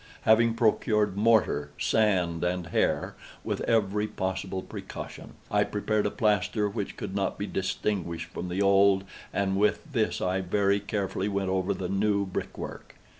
Having procured mortar, sand, and hair, with every possible precaution, I prepared a plaster which could not be distinguished from the old, and with this I very carefully went over the new brickwork.